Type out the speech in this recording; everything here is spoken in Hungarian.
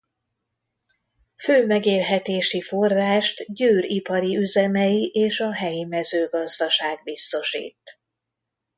Fő megélhetési forrást Győr ipari üzemei és a helyi mezőgazdaság biztosít.